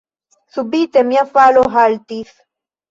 Subite mia falo haltis.